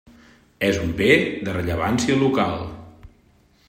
És un Bé de Rellevància Local.